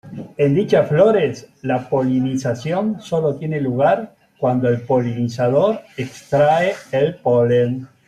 En dichas flores la polinización solo tiene lugar cuando el polinizador extrae el polen.